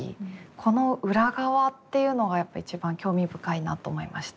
この裏側っていうのがやっぱ一番興味深いなと思いました。